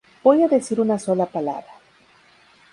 Voy a decir una sola palabra:.